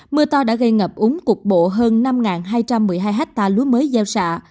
mưa to đã gây ngập úng cục bộ hơn năm hai trăm một mươi hai hectare lúa mới gieo xạ